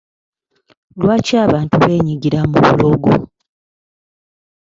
Lwaki abantu beenyigira mu bulogo?